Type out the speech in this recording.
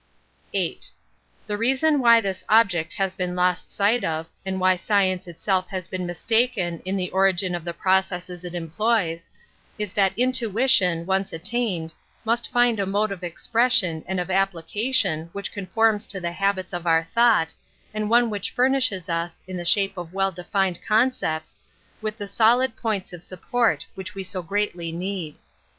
VIII. The reason why this object has been lost sight of, and why science its has been mistaken in the origin of the | Metaphysics 73 cesses it employs, is that intuition, once attained, must find a mode of expression and of application which conforms to the habits of our thought, and one which fur nishes us, in the shape of well defined con cepts, with the solid points of support which we so greatly need.